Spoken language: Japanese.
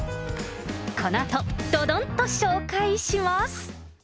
このあとどどんと紹介します。